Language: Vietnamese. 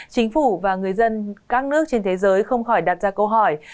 chính phủ và người dân các nước trên thế giới không khỏi đặt ra câu hỏi